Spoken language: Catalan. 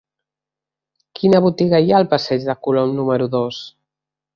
Quina botiga hi ha al passeig de Colom número dos?